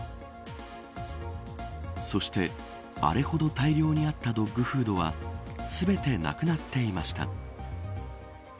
そして、あれほど大量にあったドッグフードは全てなくなっていました。